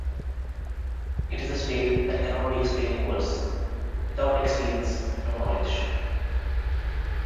It is a state that cannot be explained in words: 'without experience no knowledge.